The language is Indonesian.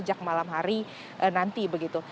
sejak malam hari nanti begitu